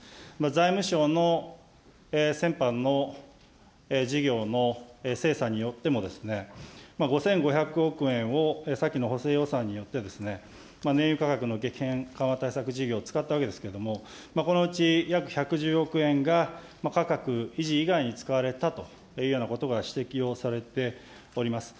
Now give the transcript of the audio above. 財務省の先般の事業の精査によっても、５５００億円をさきの補正予算によって燃油価格の激変緩和対策事業、使ったわけですけれども、このうち約１１０億円が価格維持以外に使われたというようなことが指摘をされております。